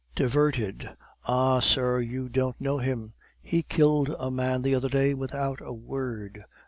"Diverted! Ah, sir, you don't know him! He killed a man the other day without a word!